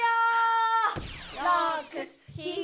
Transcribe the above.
６７。